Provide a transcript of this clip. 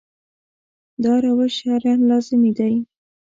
دا روش شرعاً لازمي دی.